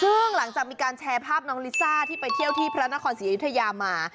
ซึ่งหลังจากมีการแชร์ภาพน้องลิซ่าที่ไปเที่ยวที่พระนครศรีอยุธยามา